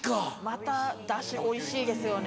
またダシおいしいですよね